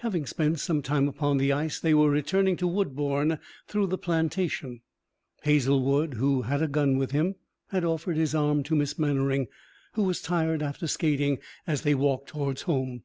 Having spent some time upon the ice, they were returning to Woodbourne through the plantation. Hazlewood, who had a gun with him, had offered his arm to Miss Mannering, who was tired after skating, as they walked towards home.